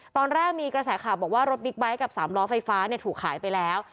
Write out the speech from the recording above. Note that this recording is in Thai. ตอนแรกมีกระแสข่าวบอกว่ารถบิ๊กไบท์กับ๓ล้อไฟฟ้าถูกขายไปแล้ว